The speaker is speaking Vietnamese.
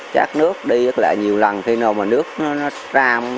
được tiếp bày những bóng ma áo trắng